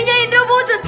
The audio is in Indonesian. hyai lebat kan